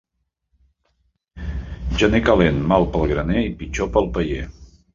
Gener calent, mal pel graner i pitjor pel paller.